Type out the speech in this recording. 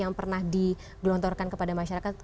yang pernah digelontorkan kepada masyarakat